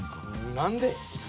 何で？